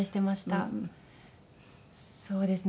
そうですね。